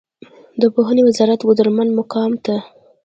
د پوهنې وزارت قدرمن مقام ته